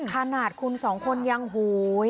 ขนาดคุณสองคนยังโหย